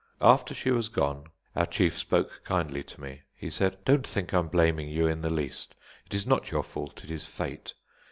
After she was gone, our chief spoke kindly to me. He said: "Don't think I am blaming you in the least; it is not your fault, it is Fate.